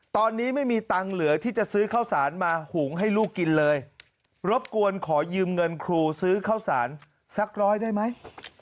ตอนนี้ไม่มีตังค์เหลือที่จะซื้อข้าวสารมาหุงให้ลูกกินเลยรบกวนขอยืมเงินครูซื้อข้าวสารสักร้อยได้ไหม